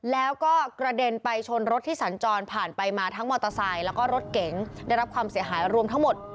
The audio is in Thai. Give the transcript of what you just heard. แล้วก็กระเด็นไปชนรถที่สัญจรผ่านไปมาทั้งมอเตอร์ไซค์แล้วก็รถเก๋งได้รับความเสียหายรวมทั้งหมด